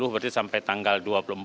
berarti sampai tanggal dua puluh empat